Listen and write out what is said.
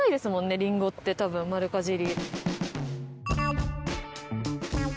りんごって多分丸かじり。